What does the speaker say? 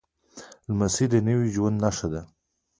لمسی د نوي ژوند نښه ده.